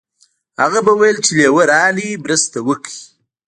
هغه به ویل چې لیوه راغی مرسته وکړئ.